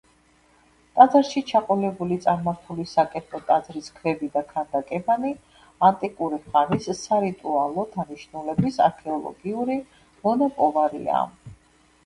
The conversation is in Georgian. ტაძარში ჩაყოლებული წარმართული საკერპო ტაძრის ქვები და ქანდაკებანი ანტიკური ხანის სარიტუალო დანიშნულების არქეოლოგიური მონაპოვარია.